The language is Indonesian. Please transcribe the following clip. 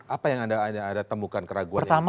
apa yang ada temukan keraguan seperti apa